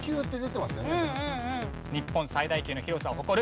日本最大級の広さを誇る。